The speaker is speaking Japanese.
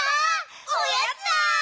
おやつだ！